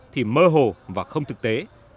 thì mơ hồ và không thực tế